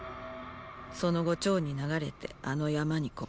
その後趙に流れてあの山に籠もった。